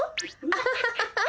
アハハハハハハ！